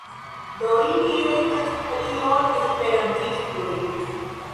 Do ili estas pli ol Esperantistoj.